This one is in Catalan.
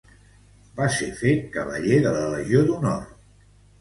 Va ser fet cavaller de la legió d'honor.